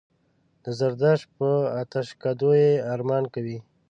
د زردشت په آتشکدو یې ارمان کوي.